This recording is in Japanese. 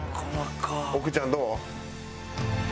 奥ちゃんどう？